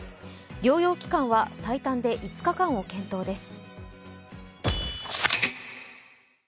療養期間は最短で５日間を検討です